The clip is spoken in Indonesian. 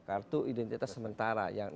kartu identitas sementara